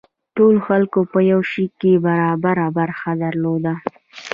ټولو خلکو په یو شي کې برابره برخه درلوده.